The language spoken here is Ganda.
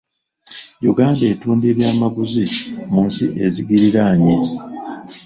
Uganda etunda ebyamaguzi mu nsi ezigiriraanye.